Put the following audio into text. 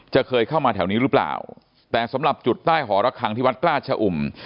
จะเคยเข้ามาแถวนี้หรือเปล่าแต่สำหรับจุดใต้หอระคังที่วัดกล้าชะอุ่ม